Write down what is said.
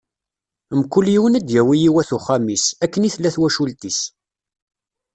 Mkul yiwen ad d-yawi i wat uxxam-is, akken i tella twacult-is.